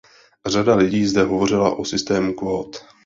Řada lidí zde hovořila o systému kvót.